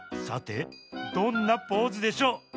さてどんなポーズでしょう？